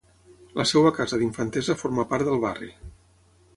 La seva casa d'infantesa forma part del barri.